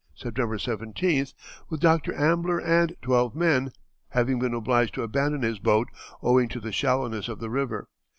September 17th, with Dr. Ambler and twelve men, having been obliged to abandon his boat, owing to the shallowness of the river.